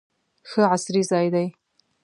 ښه عصري ځای دی.